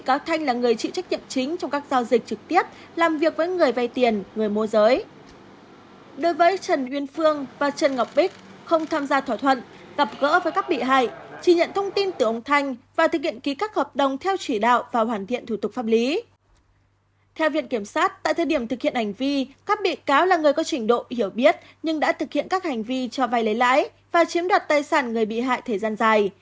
các bị cáo là người có trình độ hiểu biết nhưng đã thực hiện các hành vi cho vai lấy lãi và chiếm đoạt tài sản người bị hại thời gian dài